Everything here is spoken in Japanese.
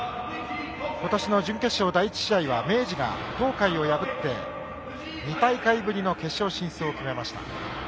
今年の準決勝第１試合は明治が東海を破って２大会ぶりの決勝進出を決めました。